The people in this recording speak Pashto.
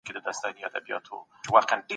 عزت یوازي په بندګۍ کي موندل کېږي.